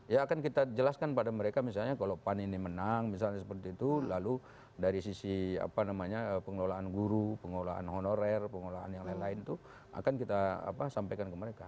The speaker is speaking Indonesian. ya akan kita jelaskan pada mereka misalnya kalau pan ini menang misalnya seperti itu lalu dari sisi pengelolaan guru pengelolaan honorer pengelolaan yang lain lain itu akan kita sampaikan ke mereka